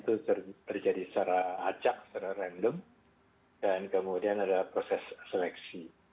jadi mutasi dan mutasi itu terjadi secara acak secara random dan kemudian ada proses seleksi